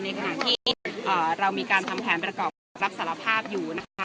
ขณะที่เรามีการทำแผนประกอบคำรับสารภาพอยู่นะคะ